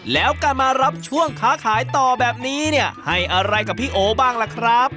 แล้วการมารับช่วงค้าขายต่อแบบนี้เนี่ยให้อะไรกับพี่โอบ้างล่ะครับ